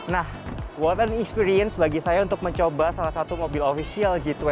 nah what and experience bagi saya untuk mencoba salah satu mobil official g dua puluh